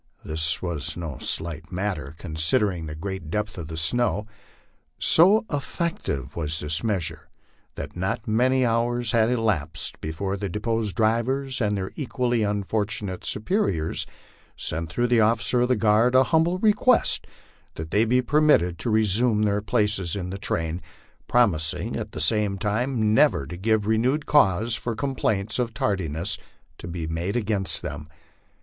This was no slight matter, considering the great depth of the snow. So effective was this measure that not many hours had elapsed before the deposed drivers and their equally unfortunate superiors sent through the officer of the guard a humble request that they be permitted to resume their places in the train, promising at the same time never to give renewed cause for complaints of tardiness to be made against them.